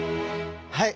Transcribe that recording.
はい。